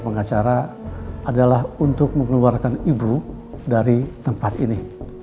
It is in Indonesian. pengacara adalah untuk mengeluarkan ibu dari tempat ini